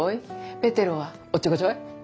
ペテロはおっちょこちょい。